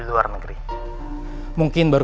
luar negeri mungkin baru